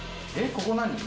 ここ何？